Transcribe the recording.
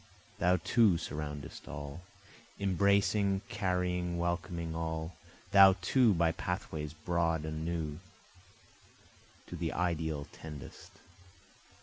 Thou too surroundest all, Embracing carrying welcoming all, thou too by pathways broad and new, To the ideal tendest.